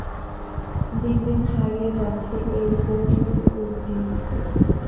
দিন দিন হারিয়ে যাচ্ছে এই ঔষধি উদ্ভিদ।